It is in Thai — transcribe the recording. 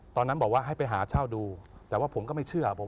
ตอนนั้นบอกว่าให้ไปหาเช่าดูแต่ว่าผมก็ไม่เชื่อผม